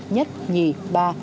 nhất nhì ba